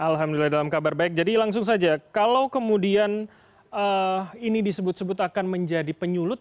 alhamdulillah dalam kabar baik jadi langsung saja kalau kemudian ini disebut sebut akan menjadi penyulut